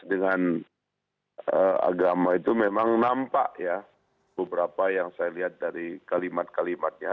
dan agama itu memang nampak ya beberapa yang saya lihat dari kalimat kalimatnya